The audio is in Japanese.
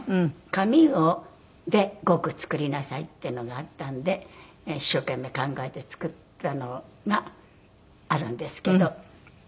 紙で５句作りなさいっていうのがあったので一生懸命考えて作ったのがあるんですけど。